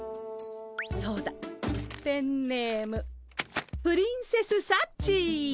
そうだペンネームプリンセスサッチー。